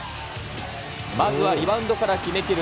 まずはリバウンドから決めきる